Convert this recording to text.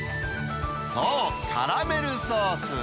そう、カラメルソース。